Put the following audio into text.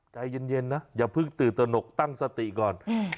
ใจเย็นนะอย่าเพิ่งตื่นตนกตั้งสติก่อน